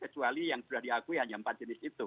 kecuali yang sudah diakui hanya empat jenis itu